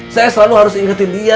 saya selalu harus ingetin dia